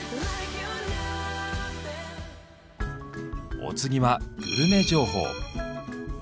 お次はグルメ情報。